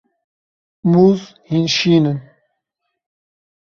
Mûz hîn şîn in.